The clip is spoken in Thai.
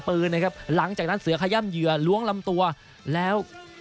ปืนนะครับหลังจากนั้นเสือขย่ำเหยื่อล้วงลำตัวแล้ว